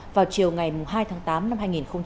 vào chiều ngày hai tháng tám năm hai nghìn hai mươi